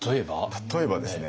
例えばですね